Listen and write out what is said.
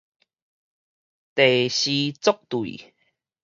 題詩作對